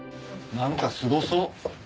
何かすごそう。